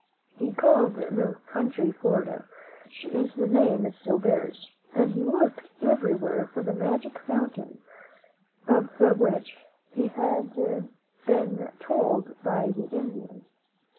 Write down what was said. He called the country Florida, which is the name it still bears, and he looked everywhere for the magic fountain, of which he had been told by the Indian.